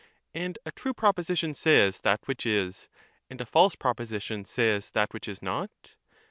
And a true proposition says that which is, and a false proposition says that which is not?